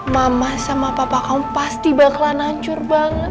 mama sama papa kamu pasti bakalan hancur banget